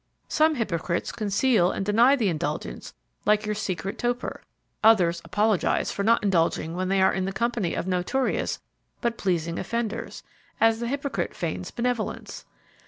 Some hypocrites conceal and deny the indulgence like your secret toper; others apologize for not indulging when they are in the company of notorious but pleasing offenders, as the hypocrite feigns benevolence.